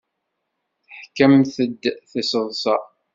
Teḥkamt-d tiseḍsa.